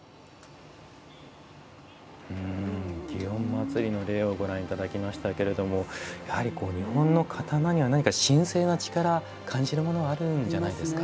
祇園祭の例をご覧いただきましたがやはり日本の刀には神聖な力を感じるものがあるんじゃないですか。